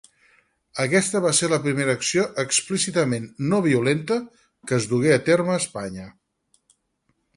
Aquesta va ser la primera acció explícitament no-violenta que es dugué a terme a Espanya.